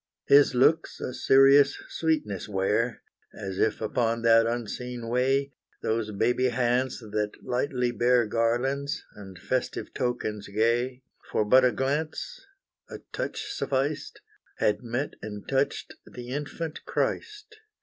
His looks a serious sweetness wear, As if upon that unseen way, Those baby hands that lightly bear Garlands, and festive tokens gay, For but a glance, a touch sufficed, Had met and touched the infant Christ!